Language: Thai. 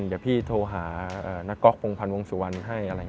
เดี๋ยวพี่โทรหานักก๊อกวงพันธุ์วงศุวรรณให้